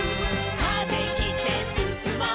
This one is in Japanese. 「風切ってすすもう」